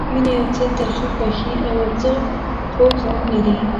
مینه یو څه ترخه خوښي او یو څه خوږ غم لري.